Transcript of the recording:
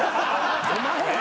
お前や。